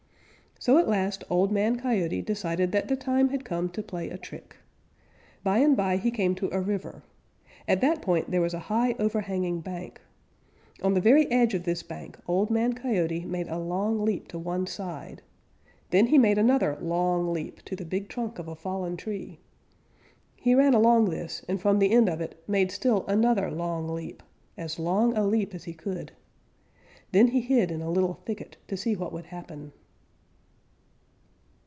So at last Old Man Coyote decided that the time had come to play a trick. By and by he came to a river. At that point there was a high, overhanging bank. On the very edge of this bank Old Man Coyote made a long leap to one side. Then he made another long leap to the big trunk of a fallen tree. He ran along this and from the end of it made still another long leap, as long a leap as he could. Then he hid in a little thicket to see what would happen.